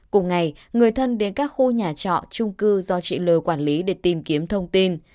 cùng ngày người thân đến các khu nhà trọ trung cư do chị l quản lý để tìm kiếm thông tin